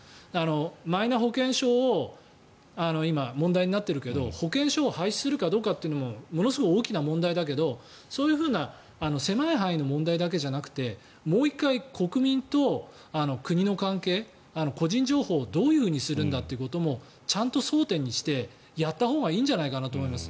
マイナ保険証が今、問題になっているけど保険証を廃止するのかというのもものすごい大きな問題だけどそういう狭い範囲の問題だけじゃなくてもう１回、国民と国の関係個人情報をどういうふうにするんだということもちゃんと争点にしてやったほうがいいんじゃないかと思います。